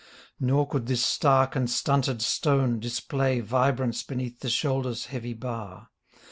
Nor could this stark and stunted stone display Vibrance beneath the shoulders heavy bar.